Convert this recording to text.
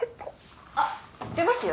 あっ出ますよ。